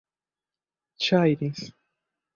ŝajnis